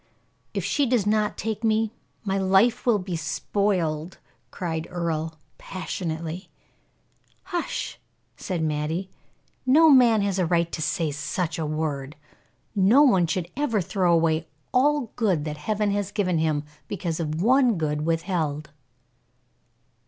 "If she does not take me, my life will be spoiled!" cried Earle, passionately. "Hush," said Mattie. "No man has a right to say such a word. No one should ever throw away all good that Heaven has given him, because of one good withheld."